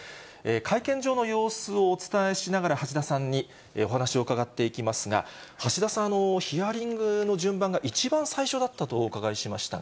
会見場の様子をお伝えしながら、橋田さんにお話を伺っていきますが、橋田さん、ヒアリングの順番が一番最初だったとお伺いしましたが。